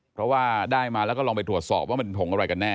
เพราะว่าได้มาแล้วก็ลองไปตรวจสอบว่ามันผงอะไรกันแน่